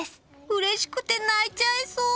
うれしくて泣いちゃいそう。